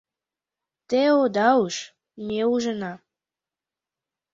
Те ода уж, ме ужына;